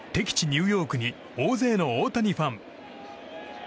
ニューヨークに大勢の大谷ファン。